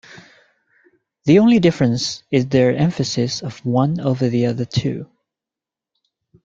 The only difference is their emphasis of one over the other two.